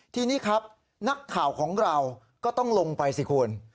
ทีนี้ครับนักข่าวของเราก็ต้องลงไปสิคุณ